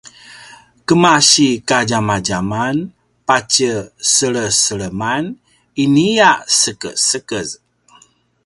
kemasi kadjamadjaman patje seleseleman inia sekesekez